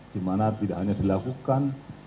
dimana tidak hanya dilakukan